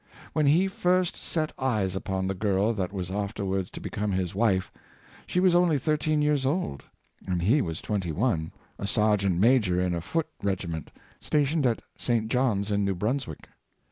When he first set eyes upon the girl that was afterwards to become his wife, she was only thirteen years old, and he was twenty one — a sergeant major in a foot regiment stationed at St. John's, in New Brunswick.